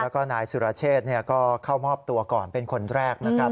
แล้วก็นายสุรเชษก็เข้ามอบตัวก่อนเป็นคนแรกนะครับ